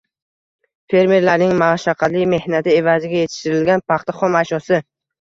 Fermerlarning mashaqqatli mehnati evaziga yetishtirilgan paxta xom ashyosi